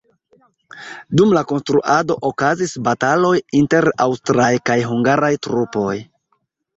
Dum la konstruado okazis bataloj inter aŭstraj kaj hungaraj trupoj.